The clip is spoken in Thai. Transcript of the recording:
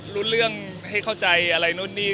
ลุฤเรื่องให้เขาใจอะไรนุษย์นี่